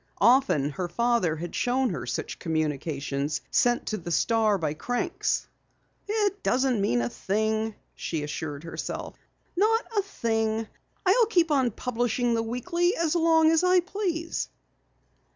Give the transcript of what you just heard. Often her father had shown her such communications sent to the Star by cranks. "It doesn't mean a thing," she assured herself. "Not a thing. I'll keep on publishing the Weekly as long as I please."